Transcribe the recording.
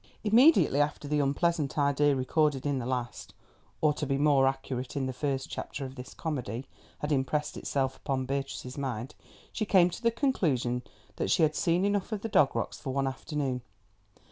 Immediately after the unpleasant idea recorded in the last, or, to be more accurate, in the first chapter of this comedy, had impressed itself upon Beatrice's mind, she came to the conclusion that she had seen enough of the Dog Rocks for one afternoon.